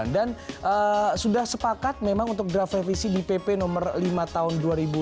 dan sudah sepakat memang untuk draft revisi di pp nomor lima tahun dua ribu sembilan